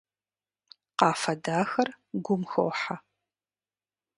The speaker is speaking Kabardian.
Къафэ дахэр гум хохьэ.